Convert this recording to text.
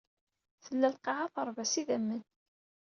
Tella lqaɛa teṛba s idammen.